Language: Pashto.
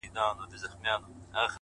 غاړه راکړه! خولگۍ راکړه! بس دی چوپ سه!